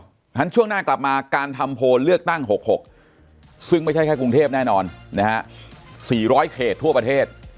เพราะฉะนั้นช่วงหน้ากลับมาการทำโพลเลือกตั้ง๖๖ซึ่งไม่ใช่แค่กรุงเทพแน่นอนนะฮะ๔๐๐เขตทั่วประเทศ